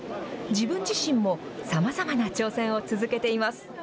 自分自身もさまざまな挑戦を続けています。